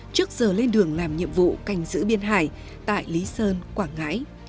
trước giờ lên đường làm nhiệm vụ canh giữ biên hải tại lý sơn quảng ngãi